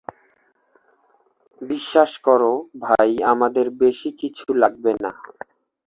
বিশ্বাস কর, ভাই, আমাদের বেশিকিছু লাগবে না।